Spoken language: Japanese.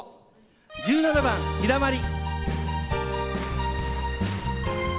１７番「陽だまり」。